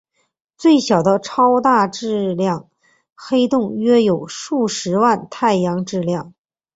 最小的超大质量黑洞约有数十万太阳质量。